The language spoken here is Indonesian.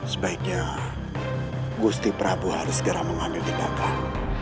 sebaiknya gusti prabowo harus segera mengambil tindakan